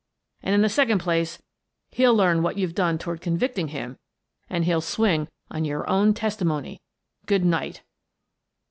And in the second place, he'll learn what you've done toward convict ing him, and he'll swing on your own testimony. Good night."